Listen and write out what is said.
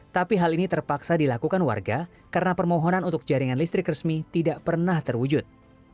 tapi hal ini terpaksa dilakukan warga karena permohonan untuk jaringan listrik resmi tidak pernah terwujud